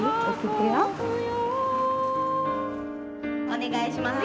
お願いします。